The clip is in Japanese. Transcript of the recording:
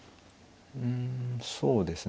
うんそうですね